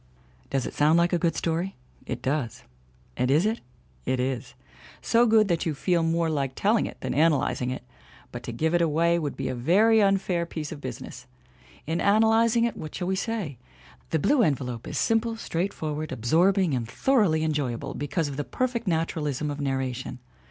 Does it sound like a good story? It does. And is it? It is. So good that you feel much more like telling it than analyzing it. But to "give it away" would be a very unfair piece of business. In analyzing it what shall we say? The Blue Envelope is simple, straightforward, absorbing and thoroughly enjoyable because of the perfect naturalism of narration.